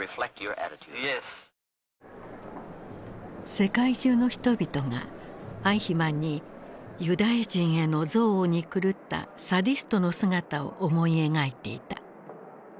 世界中の人々がアイヒマンにユダヤ人への憎悪に狂ったサディストの姿を思い描いていた。